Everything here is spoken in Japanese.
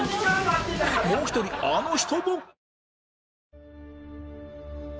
もう一人あの人も！